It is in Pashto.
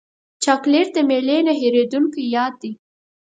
چاکلېټ د میلې نه هېرېدونکی یاد دی.